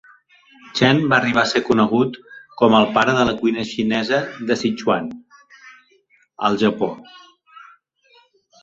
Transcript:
Chen va arribar a ser conegut com el "pare de la cuina xinesa de Sichuan" al Japó.